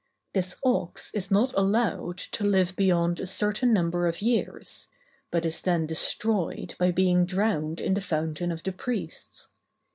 This ox is not allowed to live beyond a certain number of years; but is then destroyed by being drowned in the fountain of the priests.